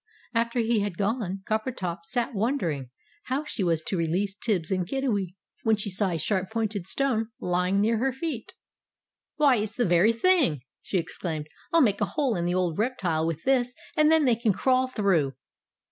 After he had gone, Coppertop sat wondering how she was to release Tibbs and Kiddiwee, when she saw a sharp pointed stone lying near her feet. "Why, it's the very thing!" she exclaimed. "I'll make a hole in the old reptile with this, and then they can crawl through."